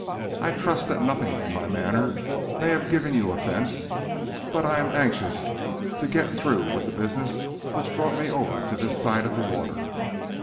I trust that nothing in my manner may have given you offence, but I am anxious to get through with the business which brought me over to this side of the water.